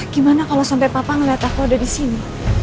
gimana kalau sampai papa melihat aku ada disini